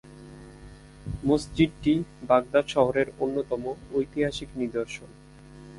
মসজিদটি বাগদাদ শহরের অন্যতম ঐতিহাসিক নিদর্শন।